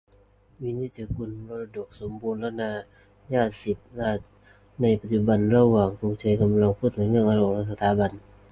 วินิจจะกูล 'มรดกสมบูรณาญาสิทธิราชย์ในปัจจุบัน' ระหว่างธงชัยกำลังพูดเรื่องทางออกของสถาบัน